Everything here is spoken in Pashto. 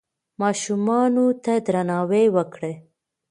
ماشومانو ته درناوی وکړئ.